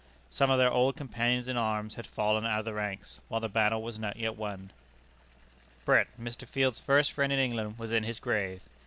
Some of their old companions in arms had fallen out of the ranks, while the battle was not yet won. Brett, Mr. Field's first friend in England, was in his grave.